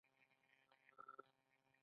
موږ مېلې او لمانځنې هم د عوامو کلتور ګڼو.